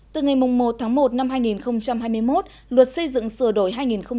từ ngày một tháng một năm hai nghìn hai mươi một luật xây dựng sửa đổi hai nghìn hai mươi có hiệu ứng